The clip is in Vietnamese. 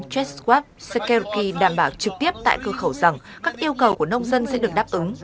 cheskwap shekerki đảm bảo trực tiếp tại cơ khẩu rằng các yêu cầu của nông dân sẽ được đáp ứng